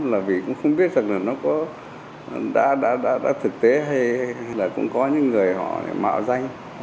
là vì cũng không biết rằng là nó đã thực tế hay là cũng có những người họ mạo danh